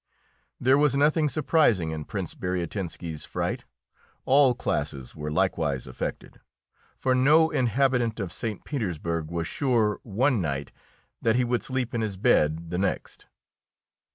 There was nothing surprising in Prince Bariatinski's fright. All classes were likewise affected, for no inhabitant of St. Petersburg was sure one night that he would sleep in his bed the next.